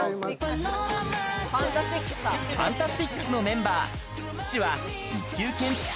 ＦＡＮＴＡＳＴＩＣＳのメンバー。